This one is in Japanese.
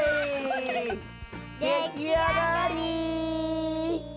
できあがり！